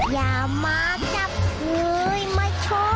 อย่ามาจับมือไม่ชอบ